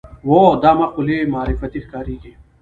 دا مقولې معرفتي ښکارېږي